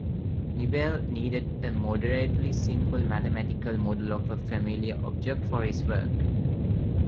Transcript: Newell needed a moderately simple mathematical model of a familiar object for his work.